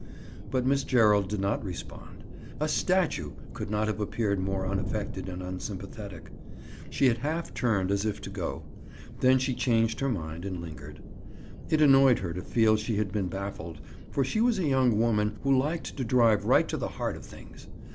But Miss Gerald did not respond. A statue could not have appeared more unaffected and unsympathetic. She had half turned as if to go; then she changed her mind and lingered. It annoyed her to feel she had been baffled, for she was a young woman who liked to drive right to the heart of things.